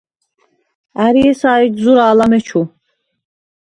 ა̈რი ესა̄ ეჯ ზურა̄ლ ამეჩუ?